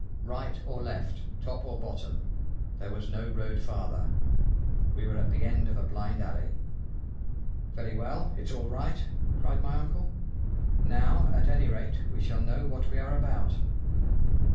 Right or left, top or bottom, there was no road farther; we were at the end of a blind alley. "Very well, it's all right!" cried my uncle, "now, at any rate, we shall know what we are about.